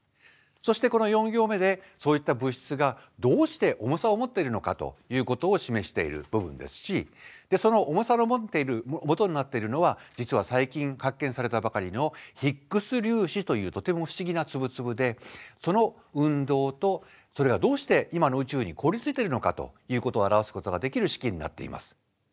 そしてこの４行目でそういった物質がどうして重さを持っているのかということを示している部分ですしその重さを持っている元になっているのは実は最近発見されたばかりのヒッグス粒子というとても不思議な粒々でその運動とそれがどうして今の宇宙に凍りついてるのかということを表すことができる式になっています。